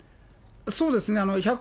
そうですね。